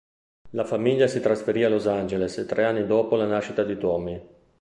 La famiglia si trasferì a Los Angeles tre anni dopo la nascita di Tommy.